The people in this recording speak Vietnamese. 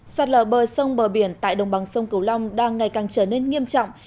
sạt lở bờ sông bờ biển tại đồng bằng sông cửu long đang ngày càng trở nên nghiêm trọng